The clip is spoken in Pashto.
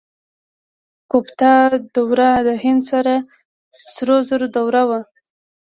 د ګوپتا دوره د هند د سرو زرو دوره وه.